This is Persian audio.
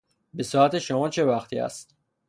به ساعت شما چه وقتی است؟